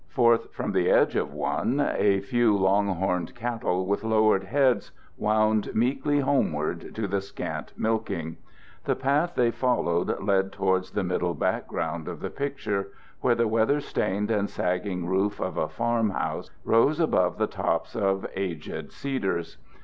Forth from the edge of one a few long horned cattle, with lowered heads, wound meekly homeward to the scant milking. The path they followed led towards the middle background of the picture, where the weather stained and sagging roof of a farm house rose above the tops of aged cedars.